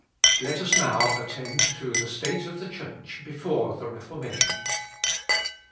Let us now attend to the State of the Church before the Reformation.